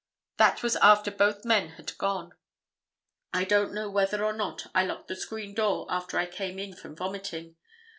That was after both men had gone. I don't know whether or not I locked the screen door after I came in from vomiting.